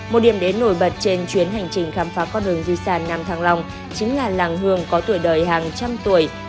một điểm đến nổi bật trên chuyến hành trình khám phá con đường di sản nam thăng long chính là làng hương có tuổi đời hàng trăm tuổi